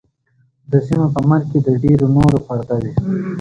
د ځینو په مرګ کې د ډېرو نورو پرده وي.